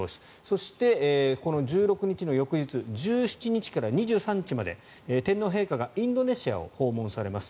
そして、この１６日の翌日１７日から２３日まで天皇陛下がインドネシアを訪問されます。